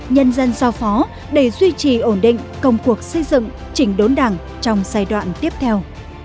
nhân dân giao phó để duy trì ổn định công cuộc xây dựng chỉnh đốn đảng trong giai đoạn tiếp theo